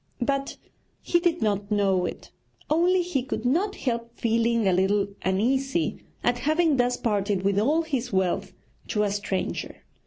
But he did not know it, only he could not help feeling a little uneasy at having thus parted with all his wealth to a stranger.